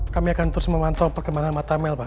kami akan terus memantau perkembangan mata mel pak